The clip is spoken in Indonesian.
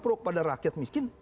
pro kepada rakyat miskin